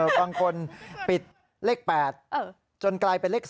บางคนปิดเลข๘จนกลายเป็นเลข๓